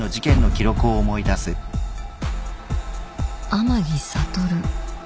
天樹悟